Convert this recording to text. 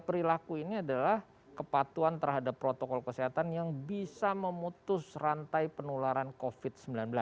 perilaku ini adalah kepatuan terhadap protokol kesehatan yang bisa memutus rantai penularan covid sembilan belas